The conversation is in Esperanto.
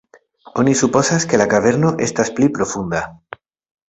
Oni supozas, ke la kaverno estas pli profunda.